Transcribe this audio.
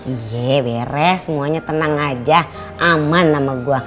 iye beres semuanya tenang aja aman nama gua